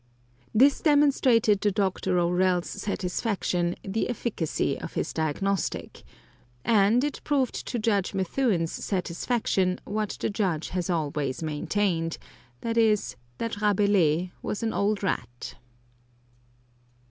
This demonstrated to Dr. O'Rell's satisfaction the efficacy of his diagnostic, and it proved to Judge Methuen's satisfaction what the Judge has always maintained viz., that Rabelais was an old rat.